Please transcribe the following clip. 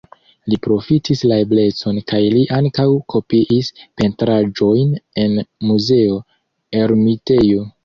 Li profitis la eblecon kaj li ankaŭ kopiis pentraĵojn en Muzeo Ermitejo.